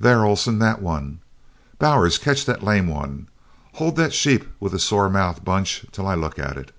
"There, Oleson, that one! Bowers, catch that lame one! Hold that sheep with the sore mouth, Bunch, till I look at it."